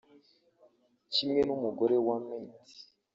Kimwe n’umugore wa Mitt